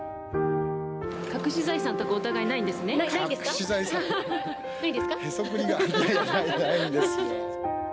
隠し財産とかお互い、ないですね？